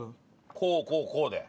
こうこうこうで。